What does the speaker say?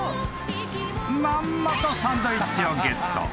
［まんまとサンドイッチを］